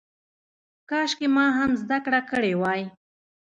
کاشکې ما هم زده کړه کړې وای.